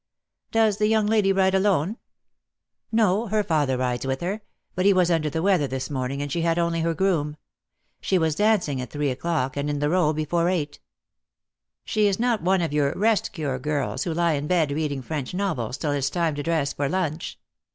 "Does the young lady ride alone?" "No; her father rides with her, but he was under the weather this morning, and she had only her groom. She was dancing at three o'clock, and in the Row before eight. She is not one of 140 DEAD LOVE HAS CHAINS. your rest cure girls who lie in bed reading French novels till it's time to dress for lunch."